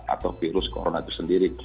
atau virus corona itu sendiri